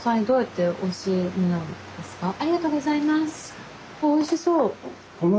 ありがとうございます！